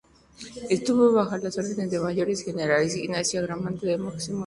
Estuvo bajo las órdenes de los Mayores generales Ignacio Agramonte y Máximo Gómez.